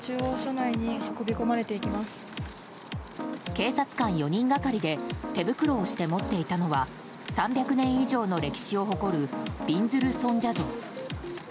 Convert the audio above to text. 警察官４人がかりで手袋をして持っていたのは３００年以上の歴史を誇るびんずる尊者像。